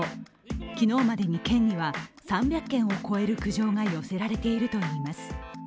昨日までに県には３００件を超える苦情が寄せられているといいます。